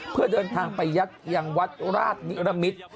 เพื่อเดินทางไปยัดยังวัดราชนิรมิตร